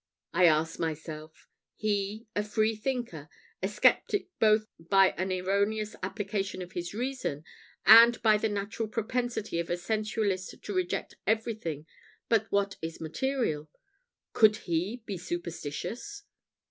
I asked myself he, a free thinker, a sceptic both by an erroneous application of his reason, and by the natural propensity of a sensualist to reject everything but what is material could he be superstitious?